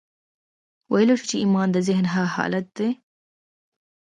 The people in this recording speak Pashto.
ويلای شو چې ايمان د ذهن هغه حالت دی.